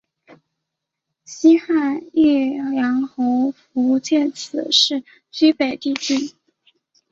西汉义阳侯傅介子始居北地郡。